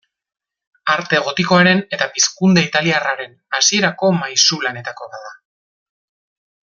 Arte gotikoaren eta Pizkunde italiarraren hasierako maisu lanetako bat da.